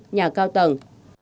nhà cao tầng